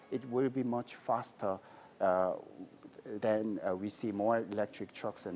dari saat kita melihat lebih banyak kereta dan bus elektrik di jalanan